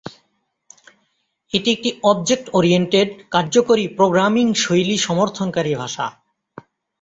এটি একটি object oriented, কার্যকরী প্রোগ্রামিং শৈলী সমর্থনকারী ভাষা।